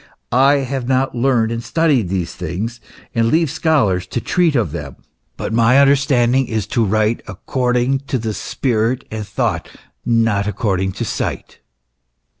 I have not learned and studied these things, and leave scholars to treat of them, but my undertaking is to write according to the spirit and thought, not according to sight."